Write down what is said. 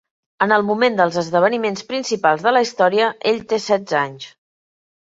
En el moment dels esdeveniments principals de la història, ell té setze anys.